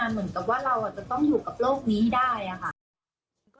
เหมือนกับว่าเราจะต้องอยู่กับโลกนี้ให้ได้ค่ะ